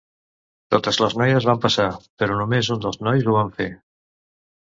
Totes les noies van passar, però només un dels nois ho van fer.